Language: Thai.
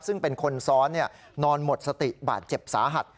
ซึ่งเป็นคนซ้อนนอนหมดสติบาดเจ็บสาหัส